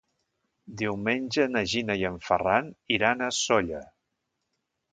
Diumenge na Gina i en Ferran iran a Sóller.